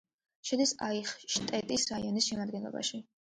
შედის აიხშტეტის რაიონის შემადგენლობაში.